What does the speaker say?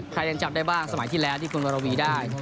ยังจับได้บ้างสมัยที่แล้วที่คุณวรวีได้